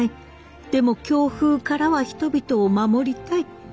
でも強風からは人々を守りたい。